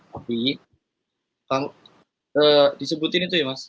tapi disebutin itu ya mas